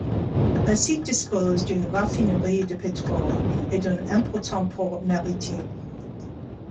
Le site dispose d'une raffinerie de pétrole, et d'un important port maritime.